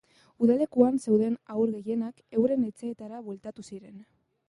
Udalekuan zeuden haur gehienak euren etxeetara bueltatu ziren.